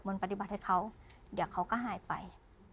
มันปฏิบัติให้เขาเดี๋ยวเขาก็หายไป